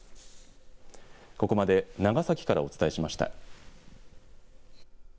ここまで長崎からお伝えしました。